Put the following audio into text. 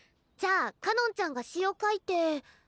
じゃあかのんちゃんが詞を書いて。